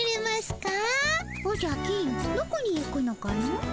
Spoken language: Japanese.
おじゃ金どこに行くのかの？